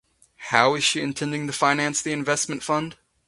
How is she intending to finance the investment fund?